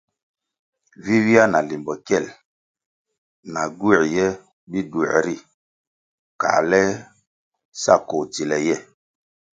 Vi ywia na limbo kyel, na gywē ye biduē ri, kale sa koh tsile ye.